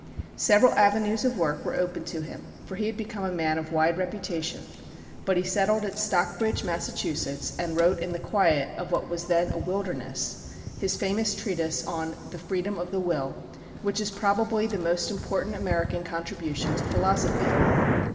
Several avenues of work were open to him, for he had become a man of wide reputation; but he settled at Stockbridge, Massachusetts, and wrote in the quiet of what was then a wilderness his famous treatise on "The Freedom of the Will," which is probably the most important American contribution to philosophy.